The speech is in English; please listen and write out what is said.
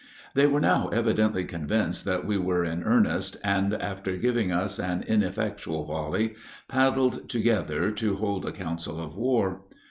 They were now evidently convinced that we were in earnest, and, after giving us an ineffectual volley, paddled together to hold a council of war.